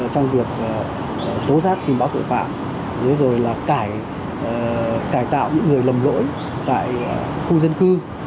trong việc tố giác tìm báo tội phạm rồi là cải tạo những người lầm lỗi tại khu dân cư